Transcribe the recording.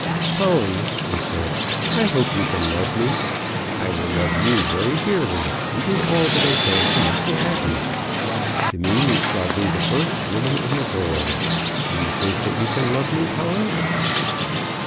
"Polly," he said, "I hope you can love me. I will love you very dearly, and do all that I can to make you happy. To me you shall be the first woman in the world. Do you think that you can love me, Polly?"